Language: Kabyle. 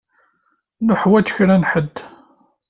Nuḥwaǧ kra n ḥedd.